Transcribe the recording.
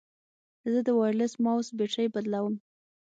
زه د وایرلیس ماؤس بیټرۍ بدلوم.